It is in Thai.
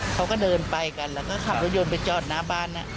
เขาก็เดินไปกันแล้วก็ขับรถยนต์ไปจอดหน้าบ้าน